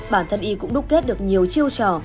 bản thân y cũng đúc kết được nhiều chiêu trò